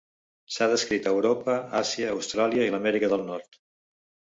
S'ha descrit a Europa, Àsia, Austràlia i a l'Amèrica del Nord.